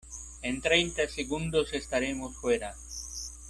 en treinta segundos estaremos fuera.